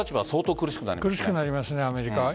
苦しくなりますね、アメリカ。